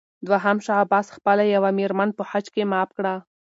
دوهم شاه عباس خپله یوه مېرمن په حج کې معاف کړه.